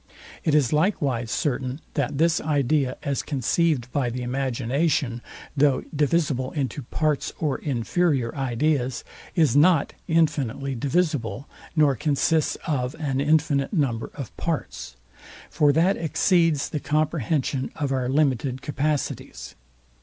It is likewise certain that this idea, as conceived by the imagination, though divisible into parts or inferior ideas, is not infinitely divisible, nor consists of an infinite number of parts: For that exceeds the comprehension of our limited capacities.